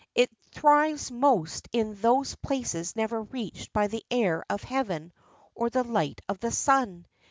It thrives most in those places never reached by the air of heaven or the light of the sun.